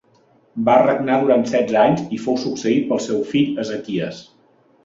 Va regnar durant setze anys i fou succeït pel seu fill Ezequies.